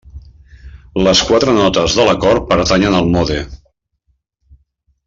Les quatre notes de l'acord pertanyen al mode.